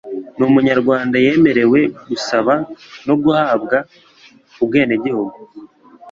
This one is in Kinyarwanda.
n'umunyarwanda yemerewe gusaba no guhabwa ubwenegihugu